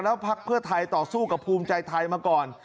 พักเพื่อไทยต่อสู้กับภูมิใจไทยมาก่อน